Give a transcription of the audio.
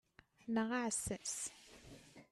Neɣ aɛessas.